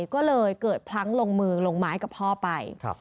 ก็เลยเกิดพลั้งลงมือลงไม้กับพ่อไป